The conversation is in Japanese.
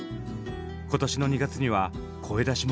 今年の２月には声出しも解禁に。